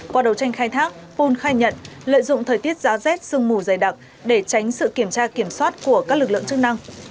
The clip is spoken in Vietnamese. qua đầu tranh khai thác pun khai nhận lợi dụng thời tiết giá rét sương mù dày đặc để tránh sự kiểm tra kiểm soát của các lực lượng chức năng